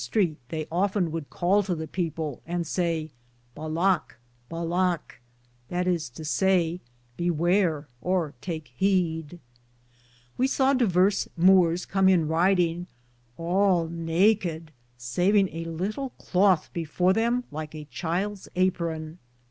As they went a Longe the streete, they often would cale to the people, and say, balocke, balocke, that is to saye, bewarr, or take heede. We saw diverse Moores com in riding, all naked, savinge a litle clothe before them like a childe's apron.